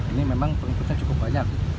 ini memang pengikutnya cukup banyak